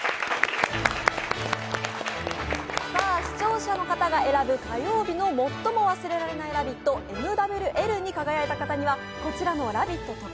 視聴者の方が選ぶ火曜日の「最も忘れられないラヴィット」、ＭＷＬに輝いた方には、こちらの「ラヴィット！」